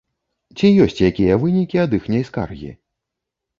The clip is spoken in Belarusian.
Ці ёсць якія вынікі ад іхняй скаргі?